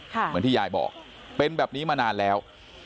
เหมือนที่ยายบอกเป็นแบบนี้มานานแล้ว